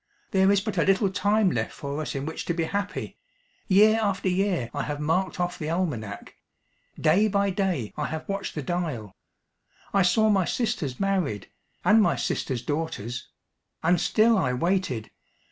"There is but a little time left for us in which to be happy. Year after year I have marked off the almanack: day by day I have watched the dial. I saw my sisters married, and my sisters' daughters; and still I waited.